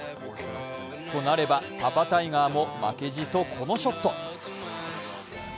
となれば、パパタイガーも負けじとこのショット。